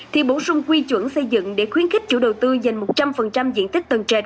thì bổ sung quy chuẩn xây dựng để khuyến khích chủ đầu tư dành một trăm linh diện tích tầng trệt